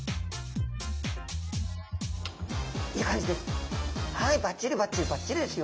いい感じです。